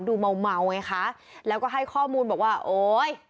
ดูเมาเมาไงคะแล้วก็ให้ข้อมูลบอกว่าโอ๊ย